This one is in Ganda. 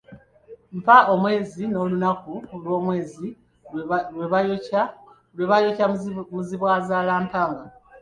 Mpa omwezi n’olunaku lwomwezi lwe baayokya Muzibwazalampanga.